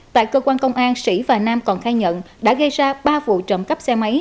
tại cơ quan công an sĩ và nam còn khai nhận đã gây ra ba vụ trộm cắp xe máy